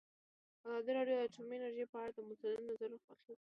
ازادي راډیو د اټومي انرژي په اړه د مسؤلینو نظرونه اخیستي.